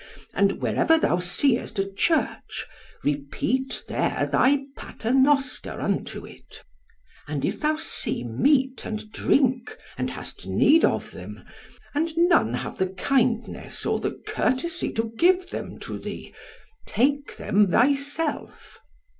And wherever thou seest a church, repeat there thy Paternoster unto it. And if thou see meat and drink, and hast need of them, and none have the kindness or the courtesy to give them to thee, take them thyself.